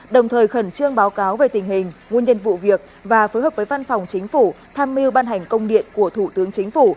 đồng thời khẩn trương báo cáo về tình hình nguồn nhân vụ việc và phối hợp với văn phòng chính phủ tham mưu ban hành công điện của thủ tướng chính phủ